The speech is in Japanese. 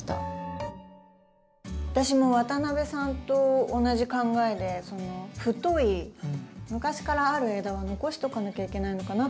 私も渡邊さんと同じ考えで太い昔からある枝は残しとかなきゃいけないのかなって思ってました。